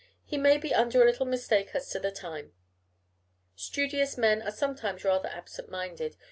He may be under a little mistake as to the time. Studious men are sometimes rather absent minded.